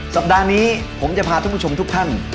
สัปดาห์นี้ผมจะพาทุกผู้ชมทุกท่าน